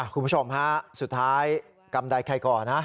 คุณผู้ชมสุดท้ายกำได้ใครก่อนนะ